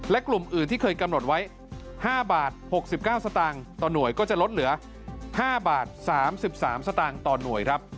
และกลุ่มอื่นที่เคยกำหนดไว้๕บาท๖๙สตางค์ต่อหน่วยก็จะลดเหลือ๕บาท๓๓สตางค์ต่อหน่วยครับ